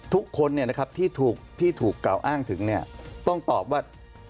ทุกคนที่ถูกกล่าวอ้างถึงต้องตอบว่า